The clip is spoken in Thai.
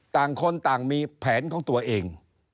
ต่างคนต่างมีแผนของตัวเอง